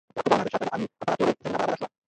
یعقوب او نادرشاه ته د امپراتوریو زمینه برابره شوه.